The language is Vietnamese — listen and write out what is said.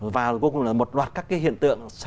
và cuối cùng là một loạt các cái hiện tượng